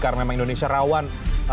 karena memang indonesia rawan